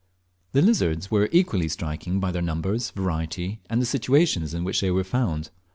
The lizards were equally striking by their numbers, variety, and the situations in which they were found.